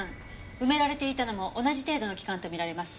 埋められていたのも同じ程度の期間とみられます。